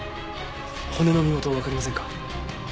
骨の身元はわかりませんか？